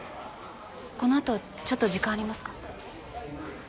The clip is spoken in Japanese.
このあとちょっと時間ありますか？